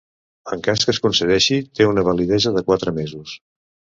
En cas que es concedeixi, té una validesa de quatre mesos.